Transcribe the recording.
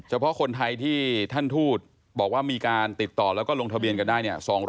เพาะคนไทยที่ท่านทูตบอกว่ามีการติดต่อแล้วก็ลงทะเบียนกันได้เนี่ย